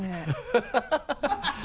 ハハハ